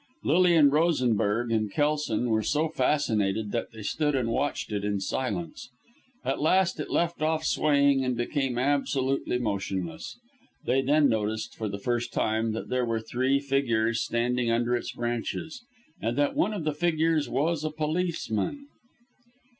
Lilian Rosenberg and Kelson were so fascinated that they stood and watched it in silence. At last it left off swaying and became absolutely motionless. They then noticed, for the first time, that there were three figures standing under its branches, and that one of the figures was a policeman.